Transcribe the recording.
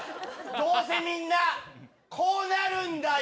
どうせみんな、こうなるんだよ。